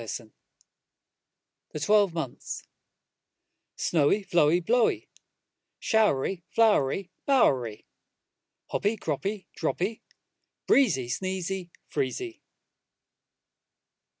Y Z The Twelve Months SNOWY, Flowy, Blowy, Showery, Flowery, Bowery, Hoppy, Croppy, Droppy, Breezy, Sneezy, Freezy.